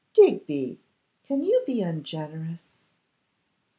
'Digby! can you be ungenerous?